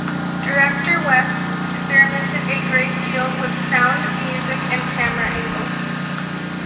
Director West experimented a great deal with sound, music, and camera angles.